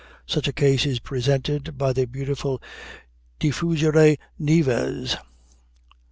Such a case is presented by the beautiful "Diffugere nives" (iv.